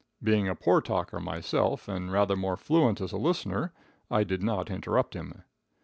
Being a poor talker myself, and rather more fluent as a listener, I did not interrupt him.